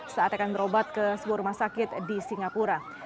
saat akan berobat ke sebuah rumah sakit di singapura